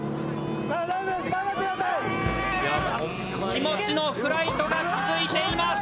気持ちのフライトが続いています。